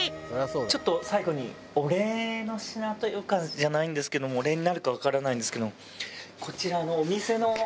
ちょっと最後にお礼の品じゃないんですけどもお礼になるかわからないんですけどもこちらのお店の看板を。